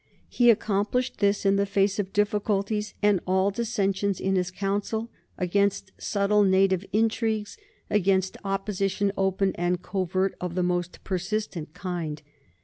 He accomplished this in the face of difficulties and all dissensions in his own Council, against subtle native intrigues, against opposition open and covert of the most persistent kind.